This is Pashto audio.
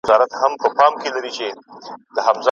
نڅول چي یې سورونو د کیږدیو سهارونه